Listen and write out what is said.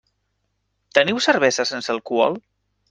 Teniu cervesa sense alcohol?